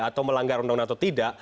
atau melanggar undang undang atau tidak